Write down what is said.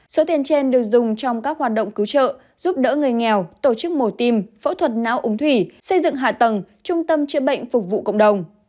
số tiền trên được dùng trong các hoạt động cứu trợ giúp đỡ người nghèo tổ chức mổ tim phẫu thuật não úng thủy xây dựng hạ tầng trung tâm chữa bệnh phục vụ cộng đồng